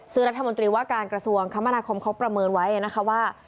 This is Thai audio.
ซื้อรัฐมนตรีว่าการกระทรวงคมเขาประเมินไว้นะครับว่า